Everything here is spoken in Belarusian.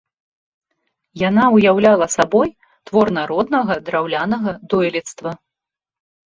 Яна ўяўляла сабой твор народнага драўлянага дойлідства.